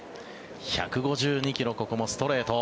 １５２ｋｍここもストレート。